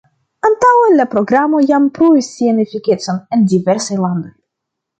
Antaŭe la Programo jam pruvis sian efikecon en diversaj landoj.